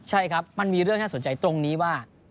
ใช่ครับมันมีเรื่องน่าสนใจตรงนี้ว่า